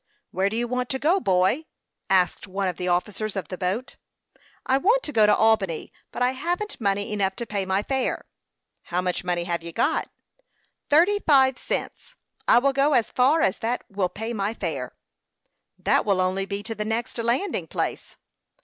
"Where do you want to go, boy?" asked one of the officers of the boat. "I want to go to Albany; but I haven't money enough to pay my fare." "How much money have you got?" "Thirty five cents. I will go as far as that will pay my fare." "That will only be to the next landing place."